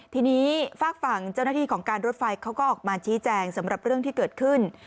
ทีนี้ฝากฝั่งเจ้าหน้าที่ของการรถไฟเขาก็ออกมาชี้แจงสำหรับเรื่องที่เกิดขึ้น